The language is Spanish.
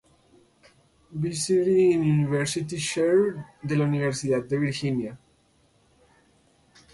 Visiting University Chair" de la Universidad de Virginia.